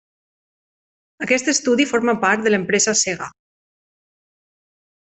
Aquest estudi forma part de l'empresa Sega.